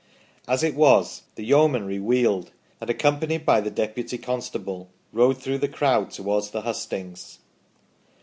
As it was, the Yeomanry wheeled and, accompanied by the deputy constable, rode through the crowd towards the hustings.